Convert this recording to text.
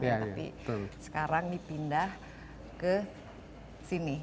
tapi sekarang dipindah ke sini